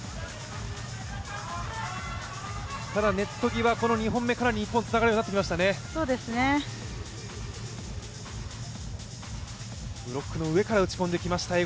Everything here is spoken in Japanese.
ただネット際、かなり日本、つながるようになってきましたね。